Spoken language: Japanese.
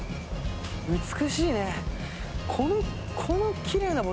美しいね。